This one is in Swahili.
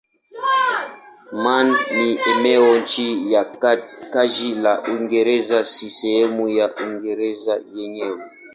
Man ni eneo chini ya taji la Uingereza si sehemu ya Uingereza yenyewe.